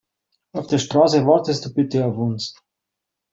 An der Straße wartest du bitte auf uns.